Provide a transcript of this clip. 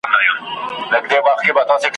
په زرګونو به تر تېغ لاندي قتلیږي `